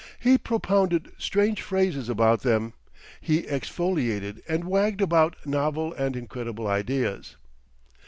He propounded strange phrases about them, he exfoliated and wagged about novel and incredible ideas.